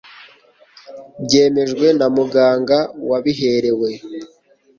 byemejwe na muganga wabiherewe